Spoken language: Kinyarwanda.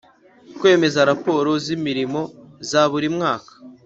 Kwemeza raporo z imirimo za buri mwaka